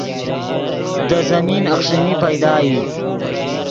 دے زمین اخݰینی پیدا ای